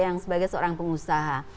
yang sebagai seorang pengusaha